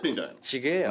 違えよ。